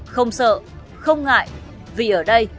không sợ không ngại vì ở đây